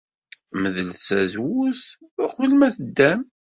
Medlet tazewwut uqbel ma teddam.